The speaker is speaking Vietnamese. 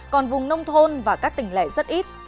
còn vùng nông thôn và các tỉnh lẻ rất ít